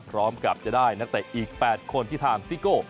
พร้อมกับจะได้นักเตะอีก๘คนที่ทางซิโก้